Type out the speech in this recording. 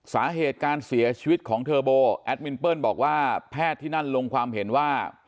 สาเหตุการเสียชีวิตของเทอร์โบแอดมินเปิ้ลบอกว่าแพทย์ที่นั่นลงความเห็นว่า